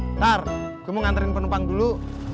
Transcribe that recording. ntar gue mau ngantriin penumpang dulu